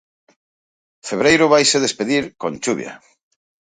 Febreiro vaise despedir con chuvia.